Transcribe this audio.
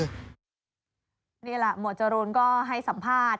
นี่แหละหมวดจรูนก็ให้สัมภาษณ์